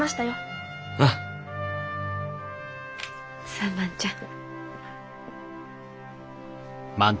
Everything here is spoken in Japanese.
さあ万ちゃん。